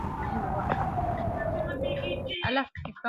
Matokeo ya awali ya uchaguzi wa rais Kenya yaonyesha ushindani ni mkali.